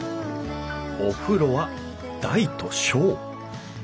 お風呂は大と小